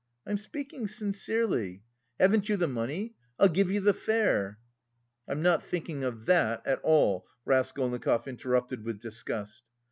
I'm speaking sincerely. Haven't you the money? I'll give you the fare." "I'm not thinking of that at all," Raskolnikov interrupted with disgust.